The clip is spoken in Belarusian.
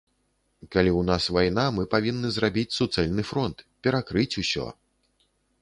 Калі ў нас вайна, мы павінны зрабіць суцэльны фронт, перакрыць усё.